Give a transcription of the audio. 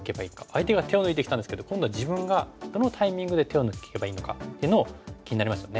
相手が手を抜いてきたんですけど今度は自分がどのタイミングで手を抜けばいいのかっていうのを気になりますよね。